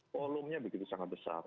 volumenya begitu sangat besar